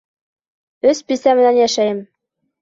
Өс бисә менән йәшәйем!